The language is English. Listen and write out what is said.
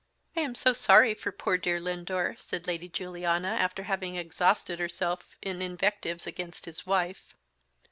"I am so sorry for poor dear Lindore," said Lady Juliana after having exhausted herself in invectives against his wife.